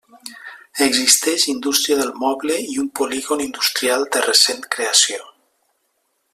Existeix indústria del moble i un polígon industrial de recent creació.